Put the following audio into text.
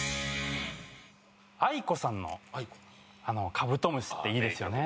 ａｉｋｏさんの「カブトムシ」っていいですよね